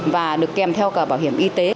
và được kèm theo cả bảo hiểm y tế